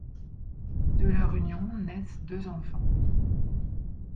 De leur union naissent deux enfants.